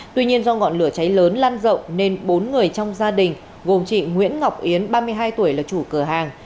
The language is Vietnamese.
tuy nhiên do ngọn lửa cháy lớn lan rộng nên bốn người trong gia đình gồm chị nguyễn ngọc yến ba mươi hai tuổi là chủ cửa hàng